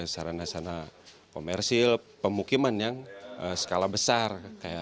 sarana sarana komersil pemukiman yang skala besar